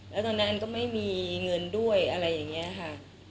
แล้วตอนนั้นอันก็ไม่มีเงินด้วยอะไรอย่างนี้ค่ะ